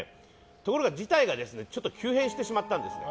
ところが事態が急変してしまったんです。